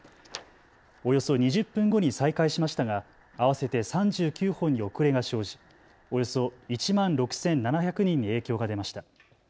およそ２０分後に再開しましたが合わせて３９本に遅れが生じおよそ１万６７００人に影響が出ました。